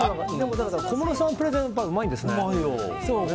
小室さんプレゼンうまいですね。